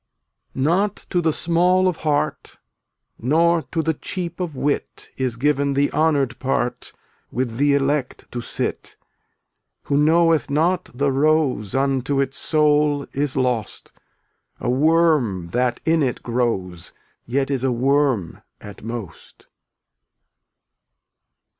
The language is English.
0tm<5 &}\\tAt ^ ot to t ^ ie sma ^ °f heart, Nor to the cheap of wit, (JvC/ Is given the honored part With the elect to sit. Who knoweth not the rose Unto its soul is lost — A worm that in it grows Yet is a worm at most.